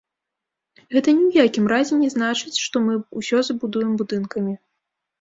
Гэта ні ў якім разе не значыць, што мы ўсё забудуем будынкамі.